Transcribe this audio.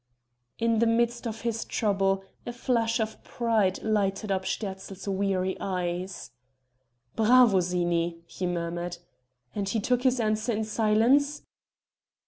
In the midst of his trouble a flash of pride lighted up Sterzl's weary eyes. "Bravo, Zini!" he murmured, "and he took this answer in silence?"